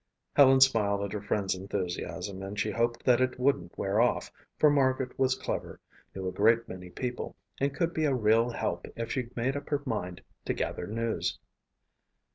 Helen smiled at her friend's enthusiasm and she hoped that it wouldn't wear off for Margaret was clever, knew a great many people and could be a real help if she made up her mind to gather news.